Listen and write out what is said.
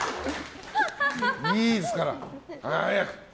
いいですから。早く。